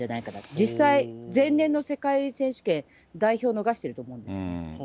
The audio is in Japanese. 実際、前年の世界選手権代表逃してると思うんですよね。